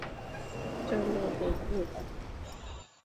চলো, বন্ধুরা!